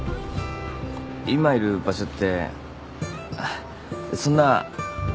今いる場所ってそんなあれかな。